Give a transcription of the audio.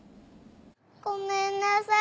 ごめんなさい。